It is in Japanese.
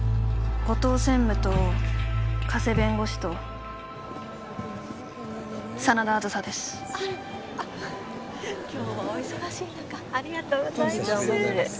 後藤専務と加瀬弁護士と真田梓です今日はお忙しい中ありがとうございます